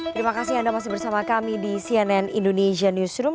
terima kasih anda masih bersama kami di cnn indonesia newsroom